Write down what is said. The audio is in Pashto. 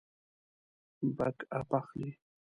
بیک اپ اخلئ؟